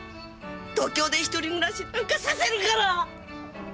東京で一人暮らしなんかさせるから！